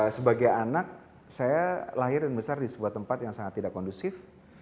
sebagai anak saya lahir dan besar di sebuah tempat yang sangat tidak kondusif